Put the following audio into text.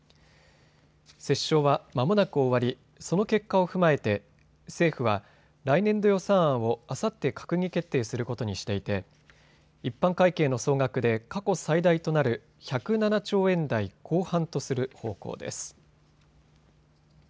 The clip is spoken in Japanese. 折衝はまもなく終わりその結果を踏まえて政府は来年度予算案をあさって閣議決定することにしていて一般会計の総額で過去最大となる１０７兆円台後半とする方向です。